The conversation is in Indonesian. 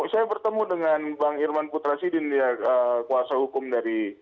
saya bertemu dengan bang irman putrasidin ya kuasa hukum dari